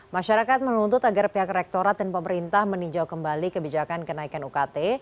masyarakat menuntut agar pihak rektorat dan pemerintah meninjau kembali kebijakan kenaikan ukt